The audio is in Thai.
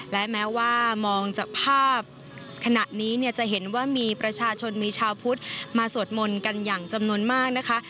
และแม้ว่ามองจากภาพขณะนี้เนี่ยจะเห็นว่ามีประชาชนมีชาวพุทธมาสวดมนต์กันอย่างจำนวนมากนะคะ